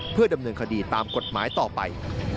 เพื่อดำเนินคดีตามกฎหมายต่อไป